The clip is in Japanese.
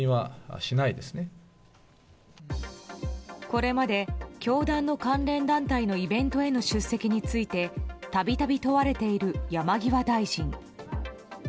これまで教団の関連団体のイベントへの出席について度々、問われている山際大臣。